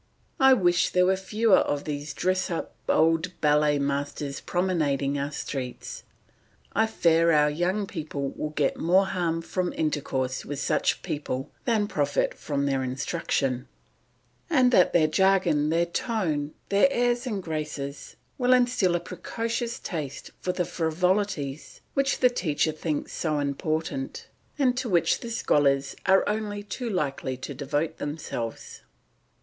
I wish there were fewer of these dressed up old ballet masters promenading our streets. I fear our young people will get more harm from intercourse with such people than profit from their instruction, and that their jargon, their tone, their airs and graces, will instil a precocious taste for the frivolities which the teacher thinks so important, and to which the scholars are only too likely to devote themselves.